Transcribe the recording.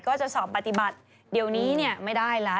ก็จะสอบปฏิบัติเดี๋ยวนี้ไม่ได้แล้ว